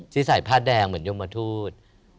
ที่ใส่ผ้าแดงเหมือนยมทูต